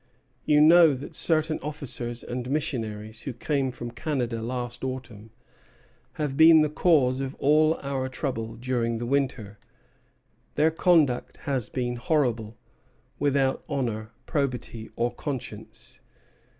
You know that certain officers and missionaries, who came from Canada last autumn, have been the cause of all our trouble during the winter. Their conduct has been horrible, without honor, probity, or conscience.